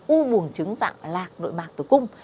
u bùng trứng dạng lạc nội mạc tử cung